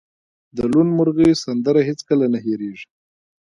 د لوون مرغۍ سندره هیڅکله نه هیریږي